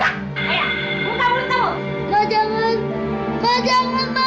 kamu makan kan buka buka mulutnya buka